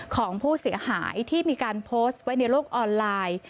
ของผู้เสียหายที่มีการโพสต์ไว้ในโลกออนไลน์